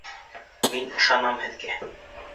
Мин ышанам һеҙгә.